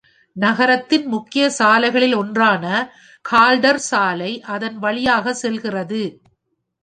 நகரத்தின் முக்கிய சாலைகளில் ஒன்றான கால்டர் சாலை, அதன் வழியாக செல்கிறது.